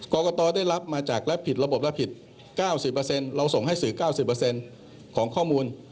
กรกตได้รับมาจากและผิดระบบและผิด๙๐เราส่งให้สื่อ๙๐ของข้อมูล